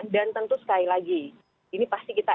dan tentu sekali lagi ini pasti kita